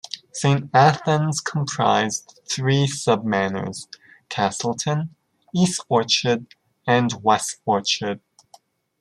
Saint Athan's comprised three sub-manors: Castleton, East Orchard, and West Orchard.